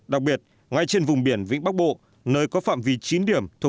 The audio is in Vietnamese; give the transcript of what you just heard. đặc biệt ngay trên vùng biển vĩnh bắc bộ nơi có phạm vị chín điểm